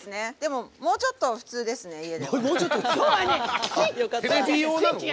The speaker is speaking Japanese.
もうちょっと普通ですね